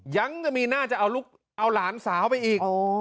ยังมีน่าจะเอาหลานสาวไปอีก